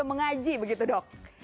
yang mengaji begitu dok